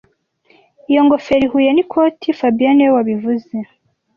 Iyo ngofero ihuye n'ikoti fabien niwe wabivuze